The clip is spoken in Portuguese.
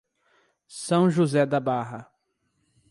São José da Barra